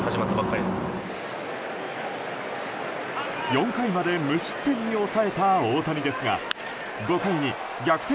４回まで無失点に抑えた大谷ですが５回に逆転